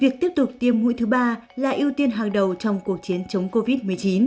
việc tiếp tục tiêm mũi thứ ba là ưu tiên hàng đầu trong cuộc chiến chống covid một mươi chín